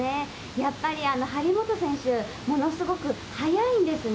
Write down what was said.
やっぱり張本選手、ものすごく速いんですね。